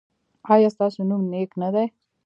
ایا ستاسو نوم نیک نه دی؟